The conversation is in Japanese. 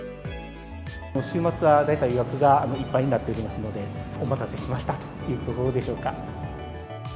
週末は大体、予約がいっぱいになっておりますので、お待たせしましたというところでしょうか。